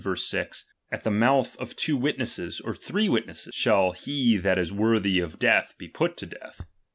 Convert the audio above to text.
6 : At the mouth of two viUneases, or three witnesses, shall he thai is tcoTthf/ of death be put to death.